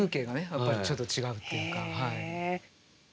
やっぱりちょっと違うっていうか。